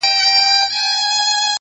ر